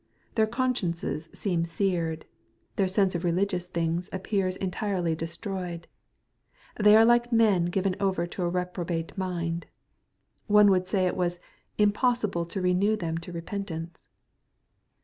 Their consciences seem seared. Their sense of religious things appears entirely destroyed. They are like men given over to a reprobate mind. One would say it was " im possible to renew them to repentance.'